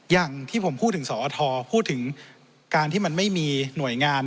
อย่างที่ผมพูดถึงสอทพูดถึงการที่มันไม่มีหน่วยงาน